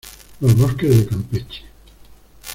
los bosques de Campeche